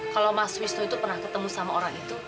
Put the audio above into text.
kalau mas wisnu itu pernah ketemu sama orang itu